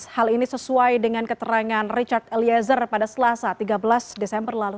hal ini sesuai dengan keterangan richard eliezer pada selasa tiga belas desember lalu